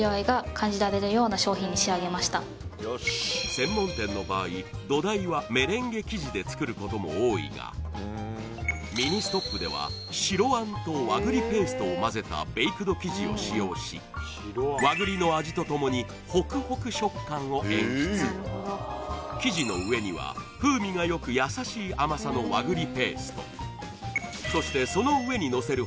専門店の場合土台はで作ることも多いがミニストップでは白あんと和栗ペーストをまぜたベイクド生地を使用し和栗の味とともにを演出生地の上には風味がよく優しい甘さのそしてその上にのせる